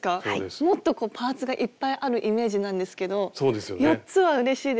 もっとパーツがいっぱいあるイメージなんですけど４つはうれしいですね。